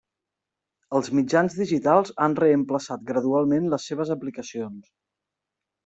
Els mitjans digitals han reemplaçat gradualment les seves aplicacions.